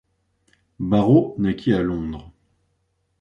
Barrow naquit à Londres.